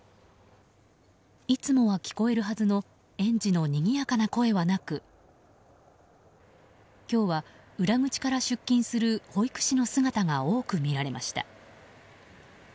いつもは聞こえるはずの園児のにぎやかな声はなく今日は裏口から出勤する保育士の姿が多く見られました。